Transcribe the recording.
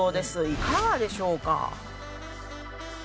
いかがでしょうか？